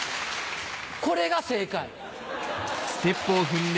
これが正解！